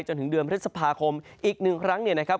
จนถึงเดือนพฤษภาคมอีกหนึ่งครั้งเนี่ยนะครับ